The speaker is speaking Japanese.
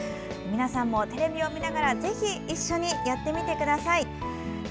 皆さんもテレビを見ながらぜひ一緒にやってみてください。